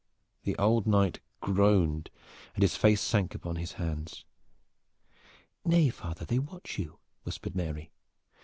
The old Knight groaned, and his face sank upon his hands. "Nay, father, they watch you!" whispered Mary.